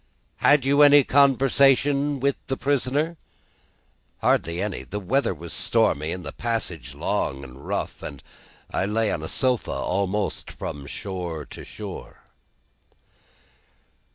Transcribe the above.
Had you any conversation with the prisoner?" "Hardly any. The weather was stormy, and the passage long and rough, and I lay on a sofa, almost from shore to shore."